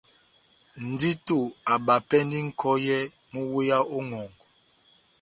Ndito abapɛndi nʼkɔyɛ mú wéya ó ŋʼhɔngɔ.